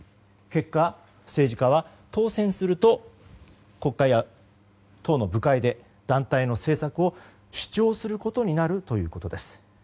結果、政治家は当選すると国会や党の部会で団体の政策を主張することになるということです。